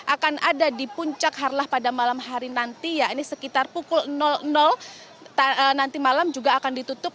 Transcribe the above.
akan ada di puncak harlah pada malam hari nanti ya ini sekitar pukul nanti malam juga akan ditutup